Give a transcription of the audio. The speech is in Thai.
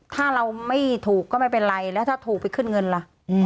ถ้าเราไม่ถูกก็ไม่เป็นไรแล้วถ้าถูกไปขึ้นเงินล่ะ